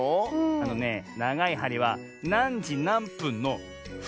あのねながいはりはなんじなんぷんの「ふん」のぶぶんだね。